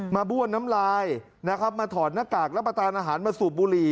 บ้วนน้ำลายนะครับมาถอดหน้ากากรับประทานอาหารมาสูบบุหรี่